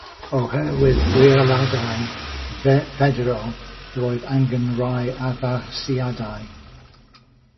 Oherwydd rheoliadau ffederal, roedd angen rhai addasiadau.